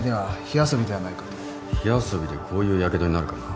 火遊びでこういうやけどになるかな。